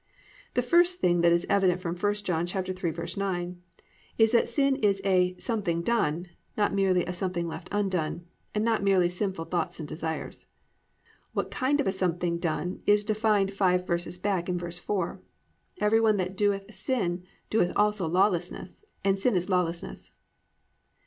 The first thing that is evident from 1 John 3:9 is that sin is a something done, not merely a something left undone, and not merely sinful thoughts and desires. What kind of a something done it is defined five verses back in verse 4. +"Everyone that doeth sin doeth also lawlessness; and sin is lawlessness."